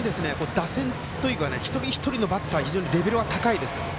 打線とにかく一人一人のバッター非常にレベルが高いです。